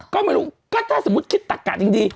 ก็ถ้าสมมติคิดตะกะจริง